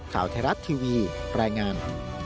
ข่าวแทรศทีวีแรงงาน